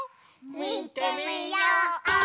みてみよう！